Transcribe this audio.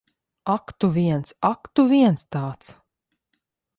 Ak tu viens. Ak, tu viens tāds!